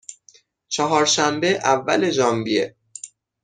چهارشنبه، اول ژانویه